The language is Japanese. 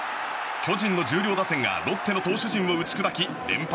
巨人の重量打線がロッテの投手陣を打ち砕き連敗